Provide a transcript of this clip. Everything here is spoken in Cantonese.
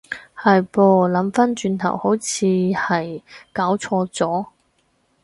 係噃，諗返轉頭好似係攪錯咗